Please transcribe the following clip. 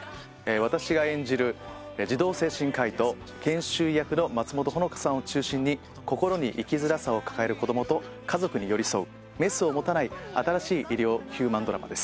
私が演じる児童精神科医と研修医役の松本穂香さんを中心に心に生きづらさを抱える子どもと家族に寄り添うメスを持たない新しい医療ヒューマンドラマです。